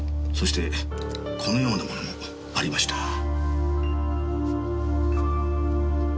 そしてこのようなものもありました。